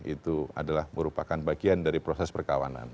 itu adalah merupakan bagian dari proses perkawanan